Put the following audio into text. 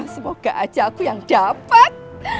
semoga aja aku yang dapat